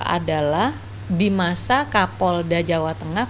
adalah di masa kapolda jawa tengah